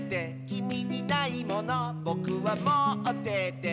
「きみにないものぼくはもってて」